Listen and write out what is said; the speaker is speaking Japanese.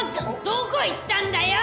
どこ行ったんだよ！